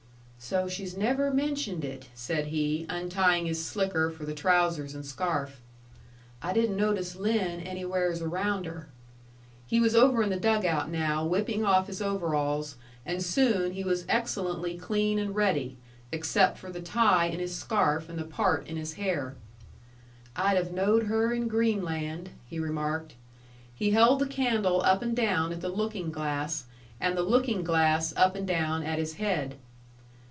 "So she's never mentioned it," said he, untying his slicker for the trousers and scarf. "I didn't notice Lin anywheres around her." He was over in the dugout now, whipping off his overalls; and soon he was excellently clean and ready, except for the tie in his scarf and the part in his hair. "I'd have knowed her in Greenland," he remarked. He held the candle up and down at the looking glass, and the looking glass up and down at his head.